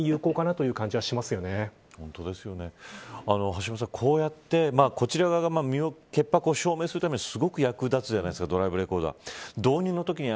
橋下さん、こうやってこちら側が身の潔白を証明するためにすごく役立つじゃないですかドライブレコーダー。